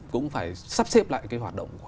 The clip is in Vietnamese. cũng phải sắp xếp lại cái hoạt động